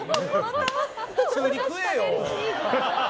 普通に食えよ。